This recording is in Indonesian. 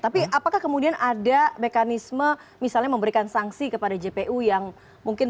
tapi apakah kemudian ada mekanisme misalnya memberikan sanksi kepada jpu yang mungkin